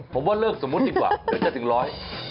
ผมว่าเลิกสมมุติดีกว่าเดี๋ยวจะถึงร้อย